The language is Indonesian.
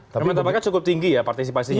tapi menurut pak ya cukup tinggi ya partisipasinya